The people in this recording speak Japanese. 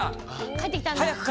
帰ってきたんだ。